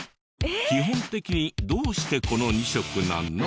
基本的にどうしてこの２色なの？